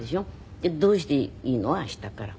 でどうしていいの？明日から。